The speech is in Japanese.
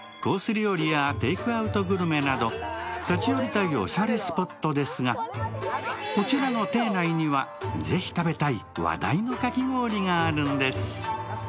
料理やテイクアウトグルメなど立ち寄りたいおしゃれスポットですがこちらの庭内にはぜひ食べたい話題のかき氷があるんです。